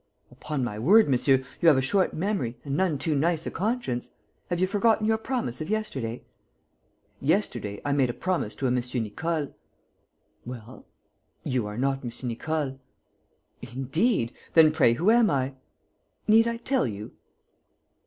"Upon my word, monsieur, you have a short memory and none too nice a conscience. Have you forgotten your promise of yesterday?" "Yesterday, I made a promise to a M. Nicole." "Well?" "You are not M. Nicole." "Indeed! Then, pray, who am I?" "Need I tell you?"